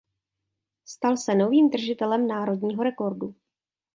Stal se novým držitelem národního rekordu.